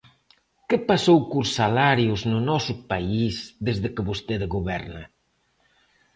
¿Que pasou cos salarios no noso país desde que vostede goberna?